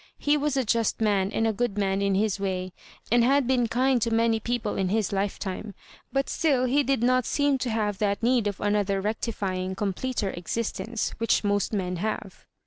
He was a jast man and a good man in his way, axMl had been kind to many people in his lifetime — ^but still be did not seem to have that need of another recti fying completer existence which most men have.